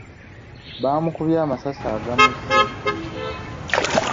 Bamukubye amasasi agamusse.